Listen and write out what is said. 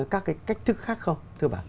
các cái cách thức khác không